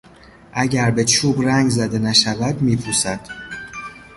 اگر به چوب رنگ زده نشود میپوسد.